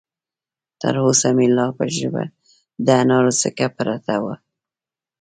تر اوسه مې لا په ژبه د انارو څکه پرته ده.